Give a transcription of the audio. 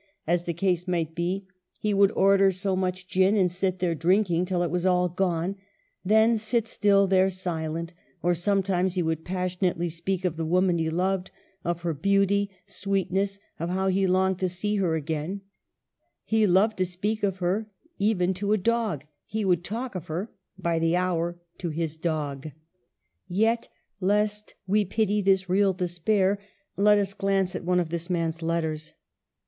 i^i as the case might be — he would order so much gin and sit there drinking till it was all gone, then still sit there silent; or sometimes he would passionately speak of the woman he loved, of her beauty, sweetness, of how he longed to see her again ; he loved to speak of her even to a dog ; he would talk of her by the hour to his dog. Yet — lest we pity this real despair — let us glance at one of this man's letters.